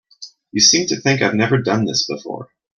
You seem to think I've never done this before.